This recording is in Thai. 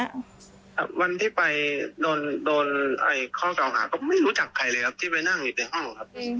วันที่ไปโดนโดนข้อเก่าหาก็ไม่รู้จักใครเลยครับที่ไปนั่งอยู่ในห้องครับ